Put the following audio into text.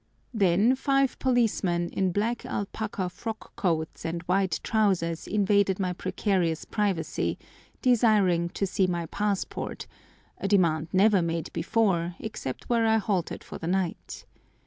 Then five policemen in black alpaca frock coats and white trousers invaded my precarious privacy, desiring to see my passport—a demand never made before except where I halted for the night.